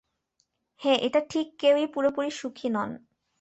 হ্যাঁ, এটা ঠিক কেউই পুরোপুরি সুখী নয়।